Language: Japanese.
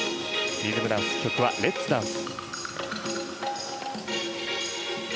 リズムダンスの曲は「レッツ・ダンス」。